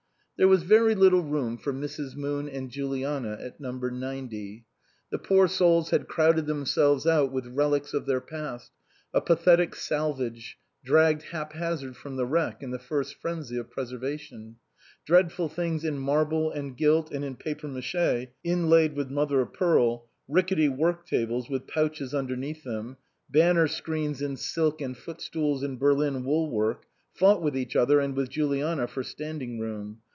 There was very little room for Mrs. Moon and Juliana at number ninety. The poor souls had crowded themselves out with relics of their past, a pathetic salvage, dragged hap hazard from the wreck in the first frenzy of preserva tion. Dreadful things in marble and gilt and in papier mach6 inlaid with mother o' pearl, rickety work tables with pouches underneath them, banner screens in silk and footstools in Berlin wool work fought with each other and with Juliana for standing room.